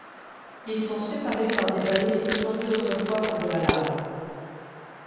Ils sont séparés par des vallées inondées autrefois par de la lave.